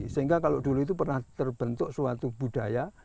sehingga kalau dulu itu pernah terbentuk suatu budaya